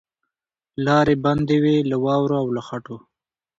لاري بندي وې له واورو او له خټو